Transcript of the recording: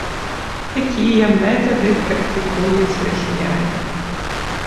Такія метады практыкуюць расіяне.